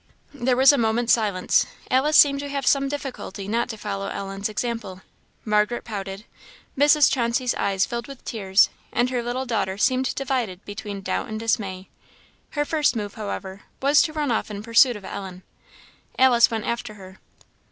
There was a moment's silence. Alice seemed to have some difficulty not to follow Ellen's example. Margaret pouted; Mrs. Chauncey's eyes filled with tears and her little daughter seemed divided between doubt and dismay. Her first move, however, was to run off in pursuit of Ellen. Alice went after her.